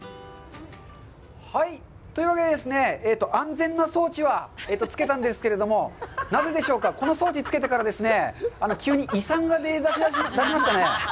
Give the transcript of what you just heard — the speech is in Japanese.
はい、というわけでですね、安全な装置は付けたんですけれども、なぜでしょうか、この装置付けてから、急に胃酸が出始めましたね。